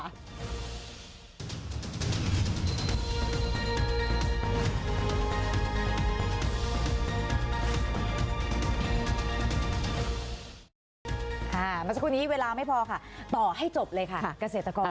ค่ะมาสักครู่นี้เวลาไม่พอค่ะต่อให้จบเลยค่ะกเศรษฐกร